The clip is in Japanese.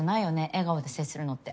笑顔で接するのって。